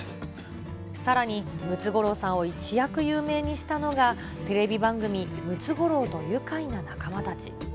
さらにムツゴロウさんを一躍有名にしたのが、テレビ番組、ムツゴロウとゆかいな仲間たち。